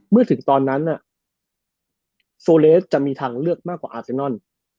เมื่อถึงตอนนั้นโซเลสจะมีทางเลือกมากกว่าอาเซนอน